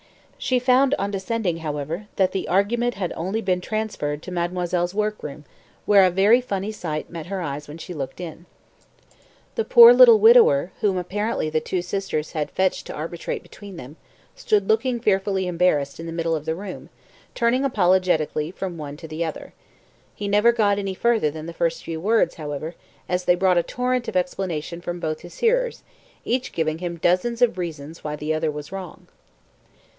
She found on descending, however, that the "argument" had only been transferred to mademoiselle's workroom, where a very funny sight met her eyes when she looked in. The poor little widower, whom apparently the two sisters had fetched to arbitrate between them, stood looking fearfully embarrassed in the middle of the room, turning apologetically from one to the other. He never got any further than the first few words, however, as they brought a torrent of explanation from both his hearers, each giving him dozens of reasons why the other was wrong.